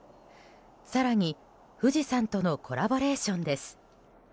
更に、富士山とのコラボレーションです。